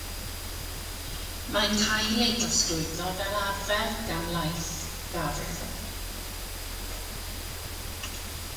Mae'n cael ei drosglwyddo fel arfer gan laeth gafr.